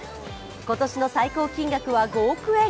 今年の最高金額は５億円。